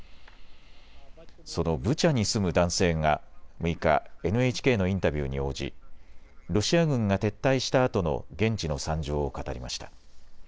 そのブチャに住む男性が６日、ＮＨＫのインタビューに応じ、ロシア軍が撤退したあとの現地の惨状を語りました。